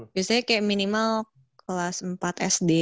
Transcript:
biasanya kayak minimal kelas empat sd